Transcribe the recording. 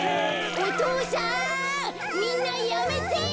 お父さんみんなやめて！